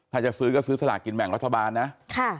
ถ้าจะซื้อก็ซื้อสลากกินแบ่งรัฐบาลนะค่ะ